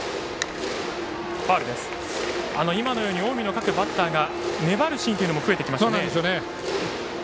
今のように近江の各バッターが粘るシーンも増えてきました。